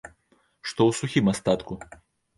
Што ў сухім астатку?